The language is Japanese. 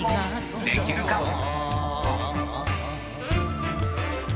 できるか？］